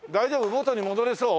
元に戻れそう？